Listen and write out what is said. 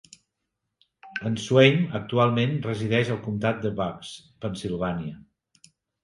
En Swaim actualment resideix al comtat de Bucks, Pennsilvània.